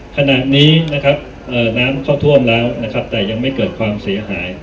ขณะนี้นะครับน้ำเข้าท่วมแล้วนะครับแต่ยังไม่เกิดความเสียหาย